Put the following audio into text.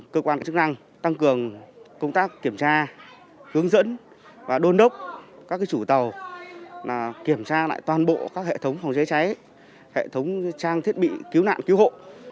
cơ quan chức năng tăng cường công tác kiểm tra hướng dẫn và đôn đốc các chủ tàu kiểm tra lại toàn bộ các hệ thống phòng cháy cháy hệ thống trang thiết bị cứu nạn cứu hộ